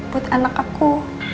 buat anak aku